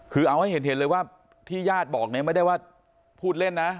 คือเอาให้เห็นเลยว่าที่ญาติบอกเนี่ยไม่ได้ว่าพูดเล่นนะ